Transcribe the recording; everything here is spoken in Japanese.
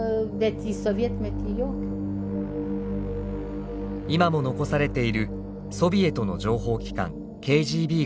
今も残されているソビエトの情報機関ＫＧＢが管理していた監獄。